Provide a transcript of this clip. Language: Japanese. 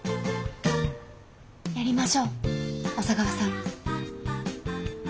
やりましょう小佐川さん。